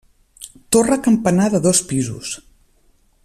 Torre campanar de dos pisos.